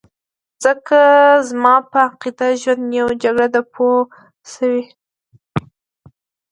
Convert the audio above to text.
ځکه زما په عقیده ژوند یو جګړه ده پوه شوې!.